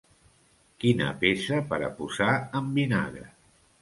Quina peça per a posar en vinagre!